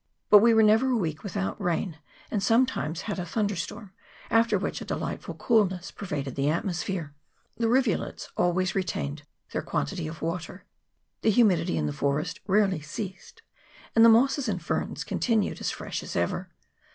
But we were never a week without rain, and some times had a thunder storm, after which a delightful coolness pervaded the atmosphere. The rivulets always retained their quantity of water ; the humid ity in the forest rarely ceased; and the mosses and ferns continued as fresh as ever.